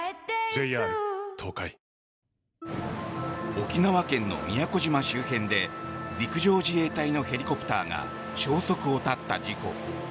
沖縄県の宮古島周辺で陸上自衛隊のヘリコプターが消息を絶った事故。